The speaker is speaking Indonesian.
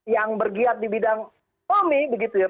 yang bergiat di bidang ekonomi begitu ya